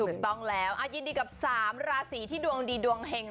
ถูกต้องแล้วยินดีกับ๓ราศีที่ดวงดีดวงเห็ง